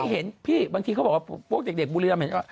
ให้เห็นพี่บางทีเขาบอกว่าพวกเด็กบุรีลำ